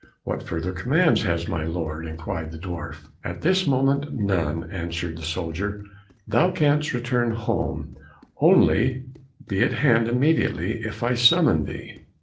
What further commands has my lord?" inquired the dwarf. "At this moment, none," answered the soldier; "Thou canst return home, only be at hand immediately, if I summon thee."